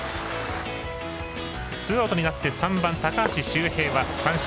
ツーアウトになって３番、高橋周平は三振。